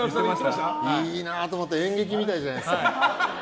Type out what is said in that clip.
いいなと思って演劇みたいじゃないですか。